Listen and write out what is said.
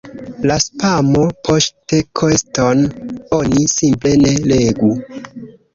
La "spamo-"poŝtkeston oni simple ne legu.